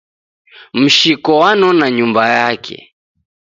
Mshiko wanona nyumba yake.